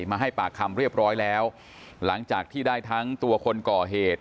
มาให้ปากคำเรียบร้อยแล้วหลังจากที่ได้ทั้งตัวคนก่อเหตุ